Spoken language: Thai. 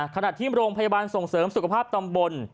ขณะที่โรงพยาบาลส่งเสริมสุขภาพตำบล